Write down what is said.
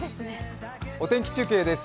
お天気中継です。